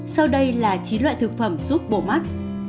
sau đây là chín loại thực phẩm giúp bổ mắt